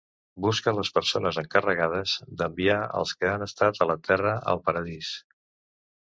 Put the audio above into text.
Busca les persones encarregades d'enviar els que han estat a la Terra al paradís.